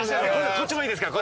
こっちもいいですか？